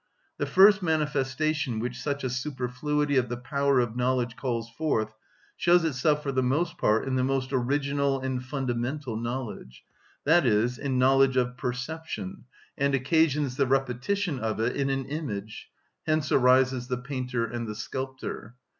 The first manifestation which such a superfluity of the power of knowledge calls forth shows itself for the most part in the most original and fundamental knowledge, i.e., in knowledge of perception, and occasions the repetition of it in an image; hence arises the painter and the sculptor.